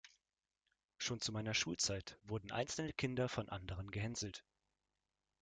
Schon zu meiner Schulzeit wurden einzelne Kinder von anderen gehänselt.